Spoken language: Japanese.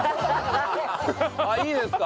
あっいいですか？